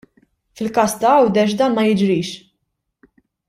Fil-każ ta' GĦawdex dan ma jiġrix.